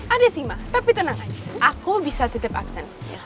ada sih ma tapi tenang aja aku bisa titip aksen